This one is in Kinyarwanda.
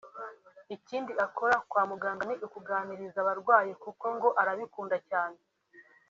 Ikindi akora kwa muganga ni ukuganiriza abarwayi kuko ngo arabikunda cyane